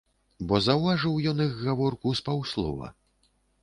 Бо заўважыў ён іх гаворку з паўслова.